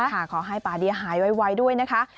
ขอให้ป่าเดียหายไวด้วยนะคะ